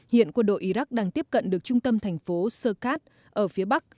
hiện quân đội iraq đang tiếp cận được trung tâm thành phố sơcas ở phía bắc